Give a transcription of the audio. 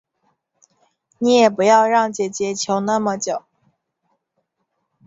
你也不要让姐姐求那么久